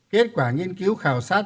kết quả nghiên cứu khảo sát